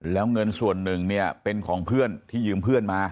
แล้วเงินส่วนหนึ่งเนี่ยเป็นของเพื่อนที่ยืมเพื่อนมา